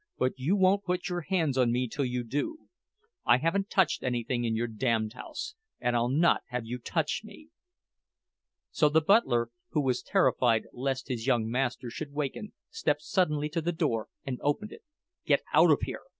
"But you won't put your hands on me till you do! I haven't touched anything in your damned house, and I'll not have you touch me!" So the butler, who was terrified lest his young master should waken, stepped suddenly to the door, and opened it. "Get out of here!"